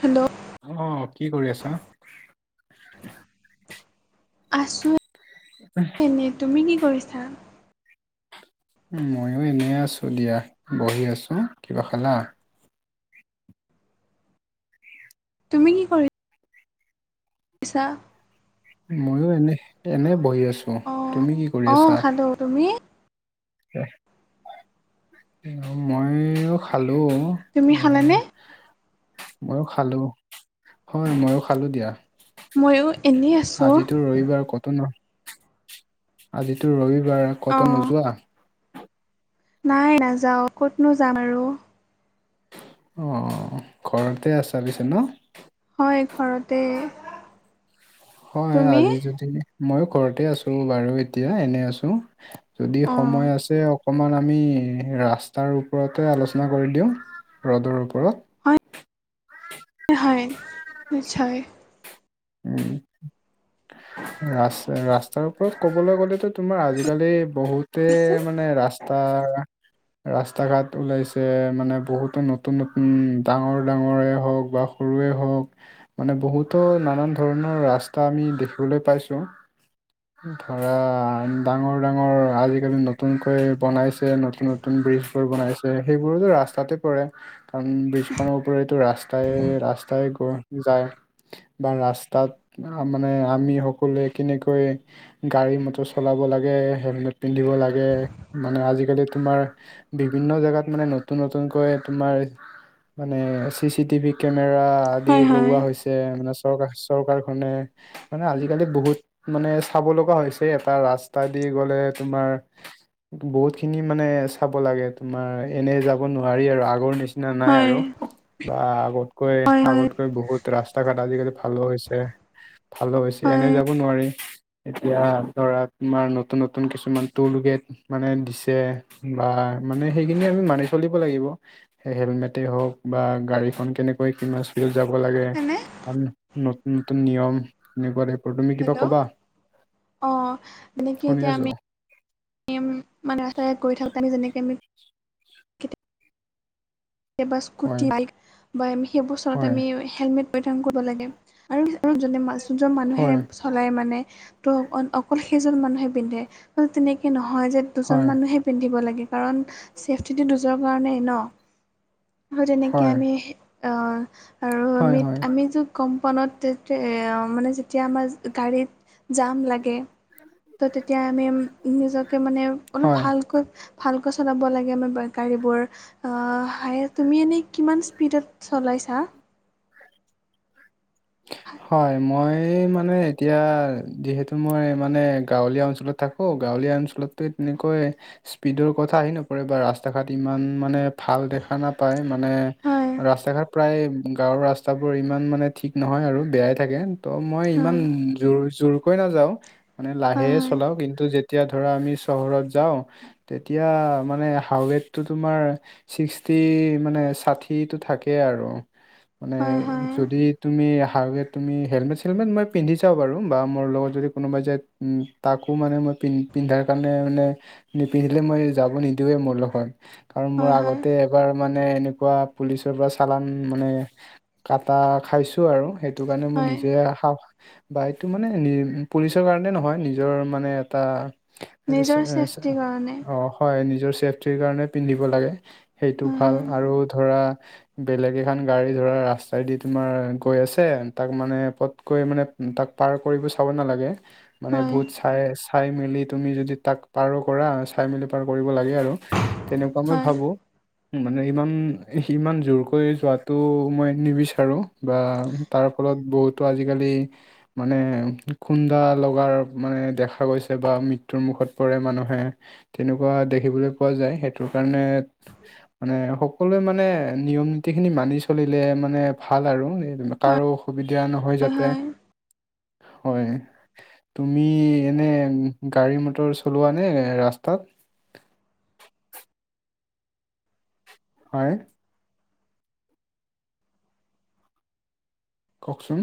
Hello. অ', কি কৰি আছা? আছো এনে, তুমি কি কৰিছা? মইয়ো এনেই আছোঁ দিয়া, বহি আছো, কিবা খালা? তুমি কি কৰি? ছা। মইয়ো এনে, এনে বহি আছো, অ তুমি কি কৰি অ আছা? খালোঁ তুমি? মইও খালো। তুমি এ খালানে মইয়ো খালো, হয়' ময়ো খালো দিয়া। ময়ো এনেই আছোঁ আজিতো ৰবিবাৰ কতো নো আজিতো ৰবিবাৰ অ কতো নোযোৱা? নাই নাযাওঁ ক'তনো যাম আৰু। অঁ ঘৰতে আছা পিছে ন? হয় ঘৰতে। হয়, তুমি আজি যদি মইও ঘৰতে আছো বাৰু, এতিয়া এনে আছো। যদি অ সময় আছে অকমান আমি ৰাস্তাৰ ওপৰতে আলোচনা কৰি দিওঁ। ৰদৰ ওপৰত। হয় হয় নিশ্চয়। ৰাস্তাৰ ওপৰত ক'বলে গ'লেতো তোমাৰ আজিকালি বহুতে কোৱাচোন মানে ৰাস্তা ৰাস্তা ঘাট ওলাইছে, মানে বহুতো নতুন নতুন ডাঙৰ ডাঙৰে হওঁক বা সৰুৱে হওঁক মানে বহুতৰ নানান ধৰণৰ ৰাস্তা আমি দেখিবলে পাইছো। ধৰা ডাঙৰ, ডাঙৰ আজিকালি নতুনকৈ বনাইছে নতুন নতুন ব্ৰীজবোৰ বনাইছে। সেইবোৰো ৰাস্তাতে পৰে, কাৰণ ব্ৰিজখনৰ ওপৰেটো ৰাচ ৰাস্তাই গৈ যায়। বা ৰাস্তাত মানে আমি সকলোৱে কেনেকৈ গাড়ী মটৰ চলাব লাগে, হেলমেট পিন্ধিব লাগে, মানে আজিকালি তোমাৰ বিভিন্ন জেগাত মানে নতুন নতুনকৈ তোমাৰ মানে চি চি টিভি কেমেৰা আদি হয় হয় লগোৱা হৈছে মানে চৰকাৰ চৰকাৰখনে। মানে আজিকালি বহুত মানে চাব লগা হৈছে, এটা ৰাস্তা দি গ'লে তোমাৰ বহুত খিনি মানে চাব লাগে তোমাৰ, এনে যাব নোৱাৰি আৰু আগৰ নিচিনা না নাই হয় আৰু বা আগতকৈ হয় হয় আগতকৈ বহুত ৰাস্তা ঘাট আজিকালি ভালো হৈছে, ভালো হৈছে এনে হয় যাব নোৱাৰি। এতিয়া ধৰা তোমাৰ নতুন নতুন কিছুমান টোলগেত মানে দিছে বা মানে সেইখিনি আমি মানি চলিব লাগিব। সে হেলমেটে হওঁক বা গাড়ীখন কেনেকৈ কিমান যাব লাগে, হেল্ল' নতুন নতুন নিয়ম এনেকুৱা আৰু তুমি কিবা কবা? অ যেনেকে শুনি এতিয়া আছো। আমি মানে ৰাস্তাৰে গৈ থাকোতে আমি যেনেকে আমি হয় স্কুটি, বাইক বা আমি সেইবোৰ চলাওঁতে হয় আমি হেলমেট পৰিধান কৰিব লাগে। আৰু আৰু যোনে যোনজন মানুহে হয় চলাই মানে ত' অ অকল সেইজন মানুহে পিন্ধে, তেনেকে নহয় যে দুজন হয় মানুহে পিন্ধিব লাগে, কাৰণ চেফটিটো দুজৰ কাৰণেই ন। আৰু তেনেকে হয় আমি অ আৰু হয় আমি হয় আমি যো কম্পনত, মানে যেতিয়া আমাৰ গাড়ীত জাম লাগে। ত' তেতিয়া আমি নিজকে মানে অলপ হয় ভালকৈ ভালকৈ চলাব লাগে আমাৰ গাড়ীবোৰ আ ভাই তুমি এনেই কিমান স্পীডত চলাইছা? হয়' মই মানে এতিয়া যিহেতু মই মানে গাঁৱলীয়া অঞ্চলত থাকোঁ, গাঁৱলীয়া অঞ্চলতো তেনেকৈ স্পীডৰ কথা আহি নপৰে বা ৰাস্তা ঘাট ইমান মানে ভাল দেখা নাপায় মানে, হয় ৰাস্তা ঘাট প্ৰায়, গাঁৱৰ ৰাস্তাবোৰ ইমান মানে ঠিক নহয় আৰু বেয়াই থাকে, ত' মই ইমান হয় জোৰ জোৰকৈ নাযাওঁ। মানে লাহেৰে হয় চলাও, কিন্তু যেতিয়া ধৰা আমি চহৰত যাওঁ। তেতিয়া, মানে হাৱেতটো তোমাৰ ছিক্সটি মানে ষাঠিটো থাকে আৰু মানে হয় হয় হয় যদি তুমি হাইৱেত তুমি, হেলমেট চেলমেট মই পিন্ধি যাওঁ বাৰু বা মোৰ লগত যদি কোনোবাই যায়। উম, তাকো মানে মই পিন--পিন্ধাৰ কাৰণে মানে নিপিন্ধিলে মই যাব নিদিওঁৱে মোৰ লগত, কাৰণ মোৰ হয় হয় আগতে এবাৰ মানে এনেকুৱা পুলিচৰ পৰা চালান মানে কাটা খাইছো আৰু। সেইটো কাৰণে মই হয় নিজে সা বা ইটো মানে নি পুলিচৰ কাৰণে নহয়, নিজৰ মানে এটা- হেৰি চে নিজৰ চে চেফটিৰ কাৰণে অ' হয়, নিজৰ ছেফটিৰ কাৰণে পিন্ধিব লাগে, সেইটো হয় ভাল আৰু ধৰা বেলেগ এখন গাড়ী ধৰা ৰাস্তাই দি তোমাৰ গৈ আছে, তাক মানে পটকৈ মানে তাক পাৰ কৰিব চাব নালাগে। মানে হয় বহুত চাই আছ চাই মেলি তুমি যদি তাক পাৰো কৰা, চাই মেলি পাৰ কৰিব লাগে আৰু তেনেকুৱা মই হয় ভাবোঁ। মানে ইমান সি ইমান জোৰকৈ যোৱাটো মই নিবিচাৰো। বা তাৰ ফলত বহুতো আজিকালি মানে খুন্দা লগাৰ মানে দেখা গৈছে বা মৃত্যুৰ মুখত পৰে মানুহে। তেনেকুৱা দেখিবলৈ পোৱা যায়, সেইটোৰ কাৰণে মানে সকলোৱে মানে নিয়ম নীতি খিনি মানি চলিলে মানে ভাল আৰু। এই হয় হয় কাৰো অসুবিধা নহয় হয় যাতে, হয় হয়। তুমি এনে গাড়ী মটৰ চলোৱা নে ৰাস্তাত? হয়। কওকচোন।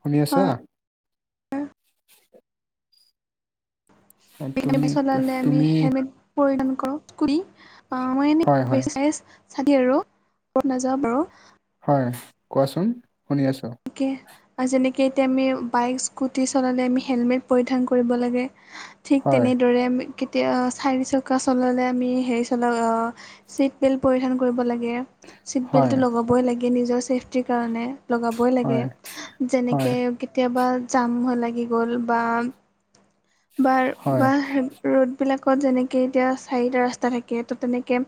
শুনি আছা? হয় তুমি [unintelligible] চলালে আমি তুমি সেনে [unintelligible] হয় হয় চালি আৰু ক'ত নাযাওঁ বাৰু। হয়, কোৱাচোন, শুনি আছোঁ। কে আজিলেকে, এতিয়া আমি বাইক স্কুটি চলালে আমি হেলমেট পৰিধান কৰিব লাগে, ঠিক হয়, তেনেদৰে আমি কে তিয়া চাৰি চকা চলালে আমি হেৰি চলাওঁ অ', চিট বেল্ট পৰিধান কৰিব লাগে। চিট হয়, বেল্টটো লগাবই লাগে নিজৰ চেফটিৰ কাৰণে, লগাব বই লাগে, হয়, হয়, যেনেকে কেতিয়াবা জাম হৈ লাগি গ'ল বা। বা হয়, বা ৰ'দবিলাকত যেনেকে এতিয়া চাৰিটা ৰাস্তা থাকে ত' তেনেকে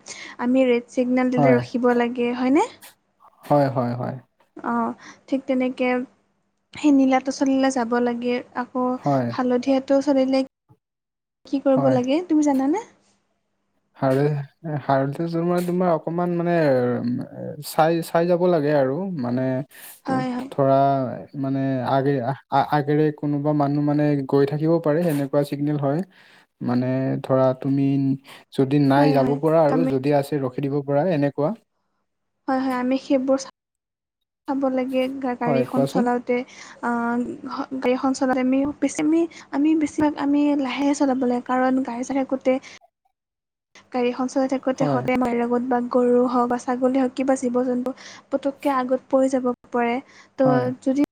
আমি ৰেড চিগনেল হয়, দিলে ৰখিব লাগে, হয়নে? হয়, হয়, হয়। অ', ঠিক তেনেকে সেই নীলাটো চলিলে যাব লাগে। অ', হয়, হালধীয়াটো চলিলে কি কৰিব হয়। লাগে, তুমি জানানে? হালধীয়া, এ, হালধীয়াটো তোমাৰ তোমাৰ অকমান মানে চাই, চাই চাই যাব লাগে আৰু মানে হয় কত হয় ধৰা মানে আগেৰে আ-আ-আগেৰে কোনোবা মানুহ মানে গৈ থাকিবও পাৰে সেনেকুৱা চিগনেল হয়। মানে ধৰা তুমি যদি নাই হয় যাব হয় পাৰা আৰু তুমি যদি আছে ৰখি দিব পাৰা এনেকুৱা হয় হয় আমি সেইবোৰ চাব লাগে গা গাড়ী হয় এখন কোৱাচোন চলাওঁতে আ হ গাড়ী এখন চলাওঁতে আমি বেছি আমি আমি বেছিভাগ আমি লাহে চলাব লাগে কাৰণ গাই চাই থাকোঁতে গাড়ীখন চলাই থাকোঁতে হয় হঁতে মাৰ লগত বা গৰু হওক বা ছাগলী হওক কিবা জীৱ জন্তু পতকে আগত পৰি যাব পাৰে হয় ত' যদি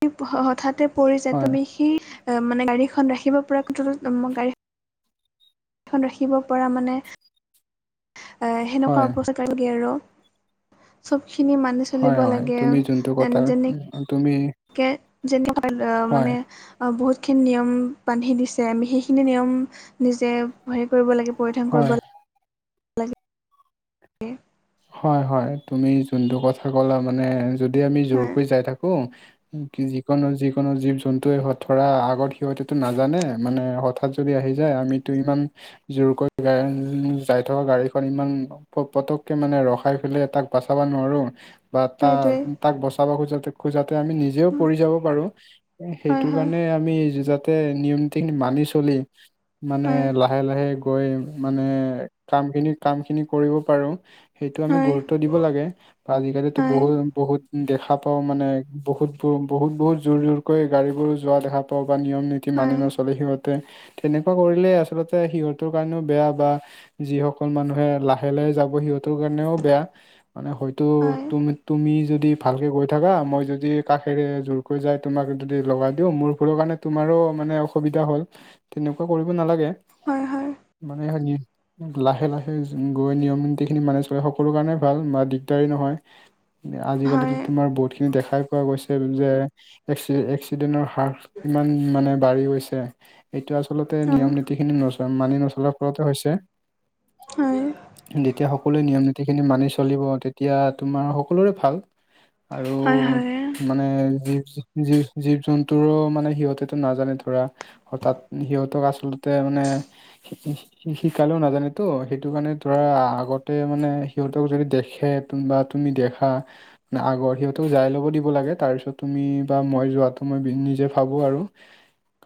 হঠাতে পৰি যায় হয় তুমি সেই মানে গাড়ী খন ৰাখিব পৰা [unintelligible] খন ৰাখিব পৰা মানে এ সেনেকুৱা হয় উপ [unintelligible] লাগে আৰু চবখিনি মানি হয় চলিব হয় লাগে আও তুমি যোনটো কথা যেনে তুমি কে যেনেকুৱা হয় মানে অ বহুতখিনি নিয়ম বান্ধি দিছে আমি সেইখিনি নিয়ম নিজে হেৰি কৰিব লাগে পৰিধান হয় কৰিব লাগ এ হয় হয় তুমি যোনটো কথা কলা মানে যদি আমি হয় যোৰকৈ যাই থাকো কি যিকোনো যিকোনো জীৱ জন্তুৱে হক ধৰা আগতে সিহঁতেতো নাজানে মানে হঠা তাত যদি আহি যায় আমিতো ইমান জোৰকৈ গা যাই থকা গাড়ীখন ইমান পতক কে মানে ৰখাই ফেলে তাক বাচাবা নোৱাৰো বা তাৰ সেইটোৱে তাক বচাব খোজা খোজাতে আমি নিজেও পৰি যাব পাৰো হয় সেইটো হয় কাৰণে আমি যাতে নিয়মতিনি মানি চলিম মানে হয় লক লাহে লাহে গৈ মানে কামখিনি কাম খিনি কৰিব পাৰো সেইটো আমি হয় গুৰুত্ব দিব লাগে আজিকালিতো হয় বহুত বহুত দেখা পাও মানে বহুত ব বহুত বহুত জোৰ জোৰ কৈ গাড়ীবোৰ যোৱা দেখা পাও বা নিয়ম নীতি মানি হয় নচলে সিহঁত তেন তেনেকুৱা কৰিলে আচলতে সিহঁতৰ কাৰণেও বেয়া বা যিসকল মানুহে লাহে লাহে যাব সিহঁতৰ কাৰণেও বেয়া মানে হয়তো হয় তুমি তুমি যদি ভালকে গৈ থাকা মই যদি কাষেৰে জোৰকৈ যায় তোমাক যদি লগাই দিওঁ মোৰ ভুলৰ কাৰণে তোমাৰো মানে অসুবিধা হ'ল তেনেকুৱা কৰিব নালাগে হয় হয় মানে সে লাহে লাহে গৈ নিয়ম নীতি খিনি মানে চলা সকলো কাৰণে ভাল বা দিগদাৰী নহয় হয় আজিকালি হয় হয় তোমাৰ বহুত দেখাই পোৱা গৈছে যে এক্স এক্সিডেণ্টৰ হাৰ কিমান মানে বাঢ়ি গৈছে এইটো আচলতে নিয়ম নীতিখিনি নচ মানি নচলাৰ ফলতে হৈছে হয় যেতিয়া সকলোৱে নিয়ম নীতিখিনি মানি চলিব তেতিয়া তোমাৰ সকলোৰে ভাল আৰু হয় তোমা মানে জী জী জীৱ জন্তুও মানে সিহঁতেটো নাজানে ধৰা হঠাৎ সিহঁতক আচলতে মানে শি শি শিকালেও নাজানেতো সেইটো কাৰণে ধৰা আগত তে মানে সিহঁতেও যদি দেখে বা তুমি দেখা না আগৰ সিহঁতেও যাই ল'ব দিব লাগে তাৰ পিছত তুমি বা মই যোৱাটো মই নিজে ভাবো আৰু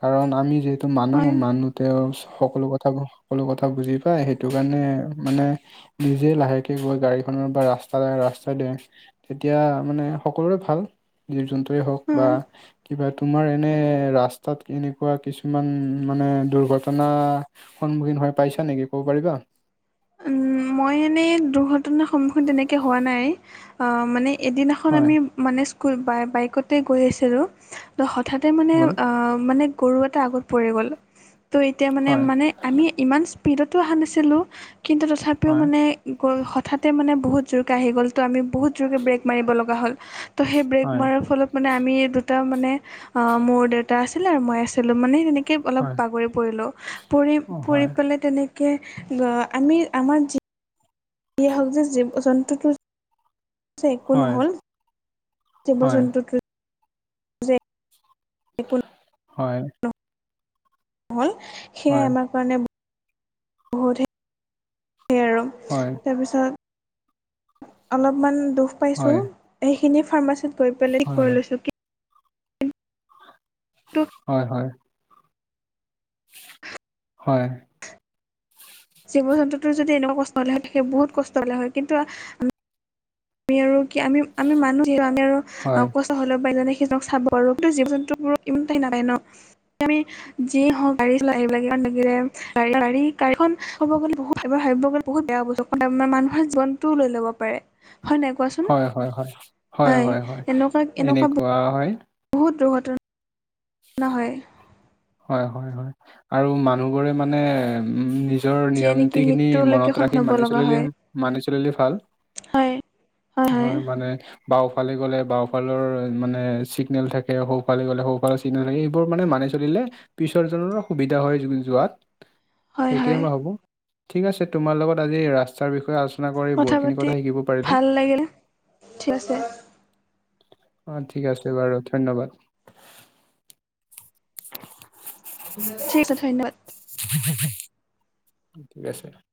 কাৰণ আমি যিহেতু মানুহ হয় মানুহ তেওঁ সকলো কথা সকলো কথা বুজি পায় সেইটো কাৰণে মানে- নিজে লাহেকে গৈ গাড়ীখনৰ বা ৰাস্তা ৰাস্তা দিয়। তেতিয়া মানে সকলোৰে ভাল জীৱ-জন্তুুৱৰে হওক হয় বা- কিবা তোমাৰ এনে ৰাস্তাত কেনেকুৱা কিছুমান মানে দুৰ্ঘটনা- সন্মুখীন হৈ পাইছা নেকি ক'ব পাৰিবা? উম মই এনে দুৰ্ঘটনাৰ সন্মুখীন তেনেকে হোৱা নাই অঁ' মানে- এদিনাখন হয় আমি মানে স্কুল বাইকতে গৈ আছিলোঁ। ত' হঠাতে মানে হয় অ মানে গৰু এটা আগত পৰি গ'ল ত' এতিয়া মানে হয় মানে- আমি ইমান স্পীডতো অহা নাছিলোঁ, কিন্তু তথাপিও হয় মানে গ'ল, হঠাতে মানে বহুত জোৰকে আহি গ'ল ত' আমি বহুত জোৰকে ব্ৰেক মাৰিব লগা হ'ল। ত' সেই ব্ৰেক হয় মাৰাৰ ফলত মানে আমি দুটা মানে অ', মোৰ দেউতা আছিলে আৰু মই আছিলোঁ মানে সেনে কে অলপ হয় বাগৰি পৰিলোঁ। পৰি, অ পৰি হয় পেলাই তেনেকে আমি আমাৰ যি হওক যে জীৱ জন্তুটো যে একো হয় নহ'ল। জীৱ হয় জন্তুটো একো হয় নহ'ল, সেয়াই হয় আমাক [unintelligible] হয়। তাৰপিছত অলপমান দুখ পাইছোঁ, হয় হয় এইখিনি ফাৰ্মাচীত [unintelligible] কিন্তু হয় হয়। হয়। জীৱ জন্তুটোৰ যদি এনেকুৱা কষ্ট হ'লে হয় সেই বহুত কষ্ট হ'লে হয়, কিন্তু আ মি, আৰু কি আমি, আমি মানুহ যিহেতু আমি আৰু ক হয় [unintelligible] যি এ হওঁক [unintelligible] গাড়ি খন [unintelligible] বহুত বেয়া বস্তু। মানে মানুহৰ জীৱনতটোও লৈ ল'ব পাৰে, হয় নাই কোৱাচোন, হয়, হয়, হয়। হয়, এনেকুৱা, এনেকুৱা খোৱা হয়। বহুত দুৰ্ঘট না হয়। হয়, হয়, হয় আৰু মানুহবোৰে মানে উম নিজৰ যিয়ে নিয়ম নেকি নীতিখিনি মৃত্যুলৈকে মনত ৰাখি সন্মুখীন হ'ব মানি লগা চলিলে হয় মানি চলিলে ভাল। হয় হয় মানে বাওঁফালে গ'লে বাওঁফালৰ মানে চিগনেল থাকে, সৌফালে গ'লে সৌফালৰ চি গনেল, এইবোৰ মানে মানি চলিলে পিছৰজনৰো সুবিধা হয় যোৱাত, হয় সেইটোৱে হয় মই ভাৱোঁ। ঠিক আছে তোমাৰ লগত আজি এই ৰাস্তাৰ বিষয়ে আ লোচনা, কবি বহুতখিনি কথা শিকিব পাৰিলোঁ। ভাল লাগিলে ঠিক আছে অঁ' ঠিক আছে বাৰু ধন্যবাদ। ঠিক আছে, ধন্যবাদ। [unintelligible]